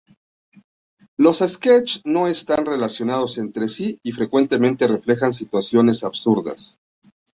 Los "sketches" no están relacionados entre sí y frecuentemente reflejan situaciones absurdas.